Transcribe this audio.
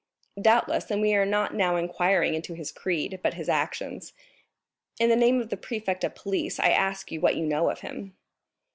"Doubtless, and we are not now inquiring into his creed, but his actions; in the name of the prefect of police, I ask you what you know of him.